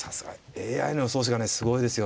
ＡＩの予想手がねすごいですよね。